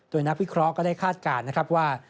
โดยนักวิเคราะห์ก็ได้คาดการณ์นะครับว่า